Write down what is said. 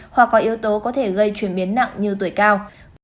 hoặc có yếu tố có thể gây chuyển biến nặng như tuổi cao